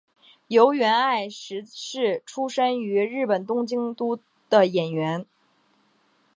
筱原爱实是出身于日本东京都的演员。